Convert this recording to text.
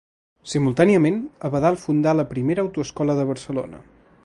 Simultàniament, Abadal fundà la primera autoescola de Barcelona.